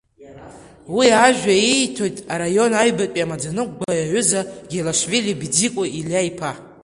Уи ажәа ииҭоит араион аҩбатәи амаӡаныҟәгаҩ аҩыза Гелашвили Биӡико Илиа-иԥа.